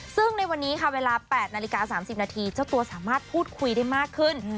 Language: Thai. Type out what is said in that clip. ซึ่งในวันนี้ค่ะเวลา๘นาฬิกา๓๐นาทีเจ้าตัวสามารถพูดคุยได้มากขึ้น